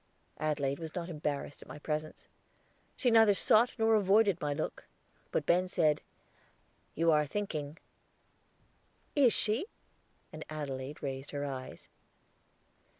Adelaide was not embarrassed at my presence. She neither sought nor avoided my look. But Ben said, "You are thinking." "Is she?" And Adelaide raised her eyes.